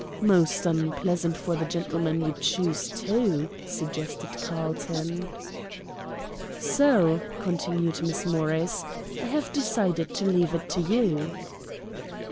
"Most unpleasant for the gentleman you choose, too," suggested Carlton. "So," continued Miss Morris, "I have decided to leave it to you."